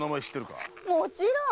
もちろん！